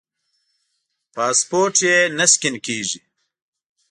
پاسپورټ یې نه سکېن کېږي.